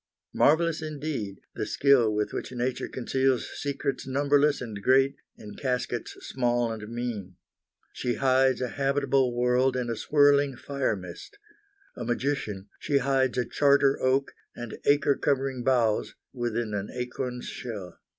Marvelous, indeed, the skill with which nature conceals secrets numberless and great in caskets small and mean. She hides a habitable world in a swirling fire mist. A magician, she hides a charter oak and acre covering boughs within an acorn's shell.